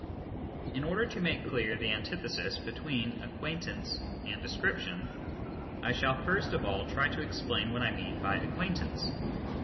In order to make clear the antithesis between " ac quaintance ""a^d " description/ I shall first of all try to explain what I mean by " acquaintance."